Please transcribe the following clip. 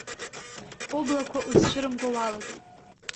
Ублақәа узцәырымго уалагоит.